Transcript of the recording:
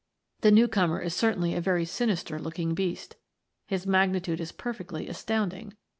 The new comer is certainly a very sinister look ing beast. His magnitude is perfectly astounding.